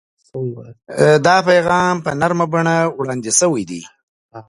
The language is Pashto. دا پیغام په نرمه بڼه وړاندې شوی دی.